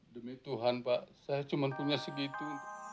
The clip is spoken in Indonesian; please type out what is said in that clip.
demi tuhan pak saya cuma punya segitu